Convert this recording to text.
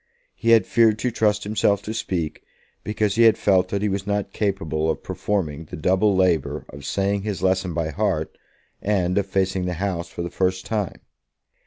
He had feared to trust himself to speak, because he had felt that he was not capable of performing the double labour of saying his lesson by heart, and of facing the House for the first time.